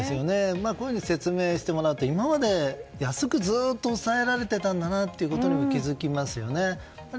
こういうふうに説明してもらうと今まで安くずっと抑えられてたんだなということにも気付きますよね。